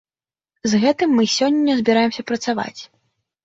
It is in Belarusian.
З гэтым мы сёння збіраемся працаваць.